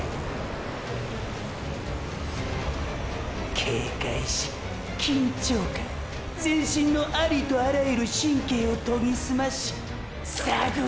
警戒心緊張感全身のありとあらゆる神経を研ぎ澄ましさぐる！！